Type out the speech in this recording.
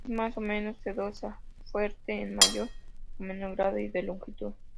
Es más o menos sedosa, fuerte en mayor o menor grado y de longitud.